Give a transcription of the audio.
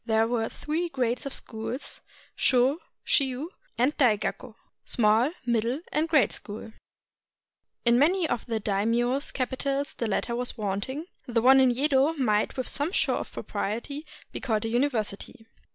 There were three grades of schools, Sho, Chiu, and Dai Gakko [Small, Middle, and Great School]. In many of the daimios' capitals the latter was wanting; the one in Yedo might with some show of propriety be called a university.